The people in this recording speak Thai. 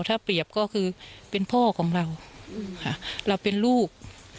ถ้าเปรียบก็คือเป็นพ่อของเราค่ะเราเป็นลูก